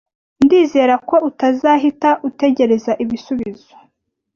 Ndizera ko utazahita utegereza ibisubizo.